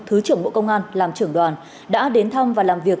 thứ trưởng bộ công an làm trưởng đoàn đã đến thăm và làm việc